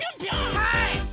はい！